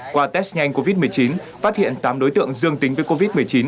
qua test nhanh covid một mươi chín phát hiện tám đối tượng dương tính với covid một mươi chín